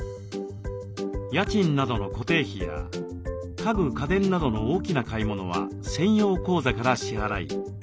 家賃などの固定費や家具家電などの大きな買い物は専用口座から支払い。